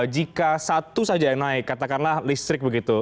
jika satu saja yang naik katakanlah listrik begitu